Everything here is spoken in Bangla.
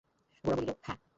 গোরা বলিল, হাঁ।